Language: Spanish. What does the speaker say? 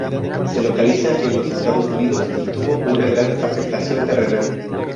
Se localiza en los Estados Unidos y tuvo una gran afectación terrenal.